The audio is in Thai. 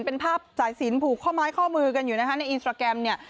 เป็นภาพสายสินผูกข้อไม้ข้อมือกันอยู่นะคะในอินสตราแกรมเนี่ย